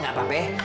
gak apa peh